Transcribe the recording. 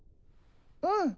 うん。